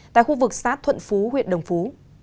tại khu vực xã thuận phú huyện đồng phú